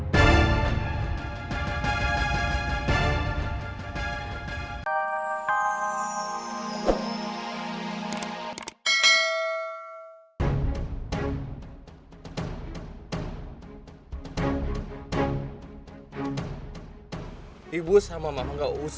ketika mereka menangis